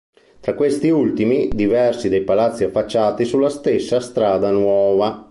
Tra questi ultimi, diversi dei palazzi affacciati sulla stessa Strada Nuova.